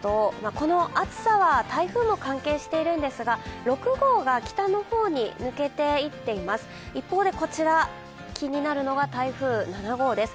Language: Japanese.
この暑さは台風も関係しているんですが、６号が北の方に抜けていっています一方でこちら、気になるのが台風７号です。